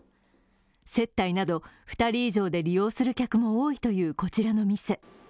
接待など、２人以上で利用する客も多いというこちらの店。